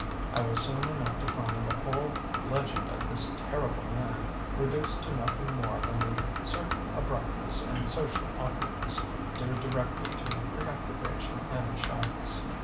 I was soon enough to find the whole leg end of this terrible man reduced to nothing more than a certain abrupt ness and social awkwardness, due di rectly to preoccupation and shyness.